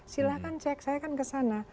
silahkan cek saya kan kesana